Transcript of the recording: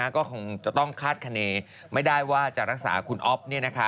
ก็คงจะต้องคาดคณีไม่ได้ว่าจะรักษาคุณอ๊อฟ